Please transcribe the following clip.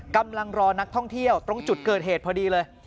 กำลังรอนักท่องเที่ยวตรงจุดเกิดเหตุพอดีเลย